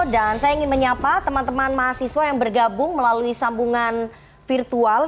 dan saya ingin menyapa teman teman mahasiswa yang bergabung melalui sambungan virtual